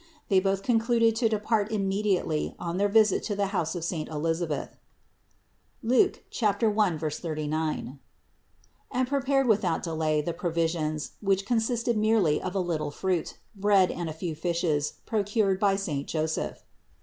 They both concluded to depart immediately on their visit to the house of saint Elisabeth (Luke 1, 39), and prepared without delay the provisions, which consisted merely in a little fruit, bread and a few fishes, procured by saint Joseph.